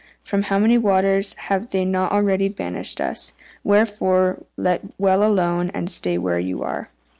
From how many waters have they not already banished us? Wherefore let well alone, and stay where you are."